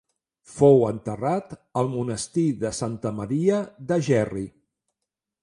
Fou enterrat al monestir de Santa Maria de Gerri.